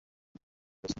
পরীক্ষা করার জন্য নিয়েছে।